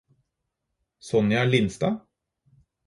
Sonja Lindstad